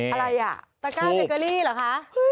ตรกราเซ็ตเกอรี่เหรอคะ